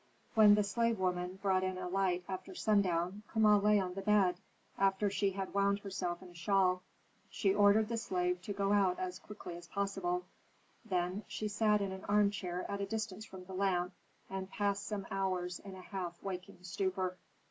When the slave woman brought in a light after sundown, Kama lay on the bed, after she had wound herself in a shawl. She ordered the slave to go out as quickly as possible; then she sat in an armchair at a distance from the lamp, and passed some hours in a half waking stupor.